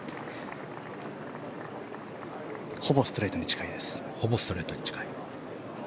ほぼストレートに近いです。